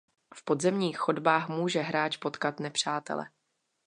V podzemních chodbách může hráč potkat nepřátele.